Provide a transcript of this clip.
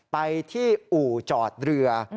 ไปที่อู่จอดเรือ